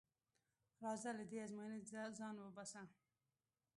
راځه له دې ازموینې ځان وباسه.